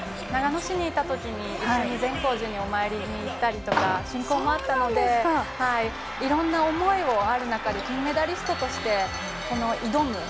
長野市にいたとき一緒にお寺にお参りに行ったり親交もあったのでいろんな思いがある中で金メダリストとして挑む。